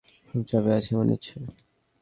খুব চাপে আছ মনে হচ্ছে।